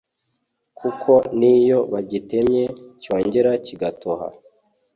kuko n'iyo bagitemye, cyongera kigatoha